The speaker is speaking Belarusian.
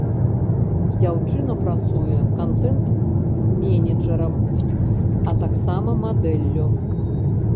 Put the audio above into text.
Дзяўчына працуе кантэнт-менеджарам, а таксама мадэллю.